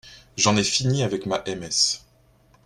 J’en ai fini avec ma M.S.